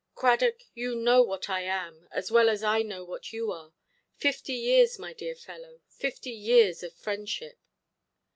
"Cradock, you know what I am, as well as I know what you are. Fifty years, my dear fellow, fifty years of friendship".